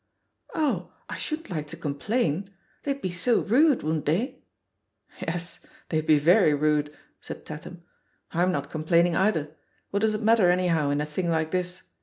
^'Oh, I shouldn't like to complain I They'd be so rude, wouldn't they?" "Yes, they'd be very rude," said Tatham. "I'm not complaining, either — ^what does it mat ter, anyhow, in a thing like this?